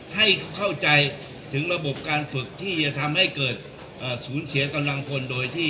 ให้เข้าใจถึงระบบการฝึกที่จะทำให้เกิดสูญเสียกำลังพลโดยที่